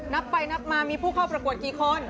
นับไปนับมามีผู้เข้าประกวดกี่คน